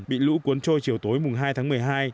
bị lũ cuốn trôi chiều tối mùng hai tháng một mươi hai